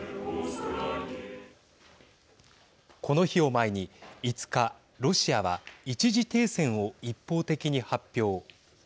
この日を前に５日ロシアは一時停戦を一方的に発表。